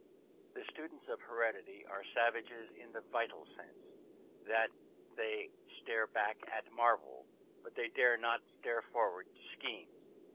The students of heredity are savages in this vital sense; that they stare back at marvels, but they dare not stare forward to schemes.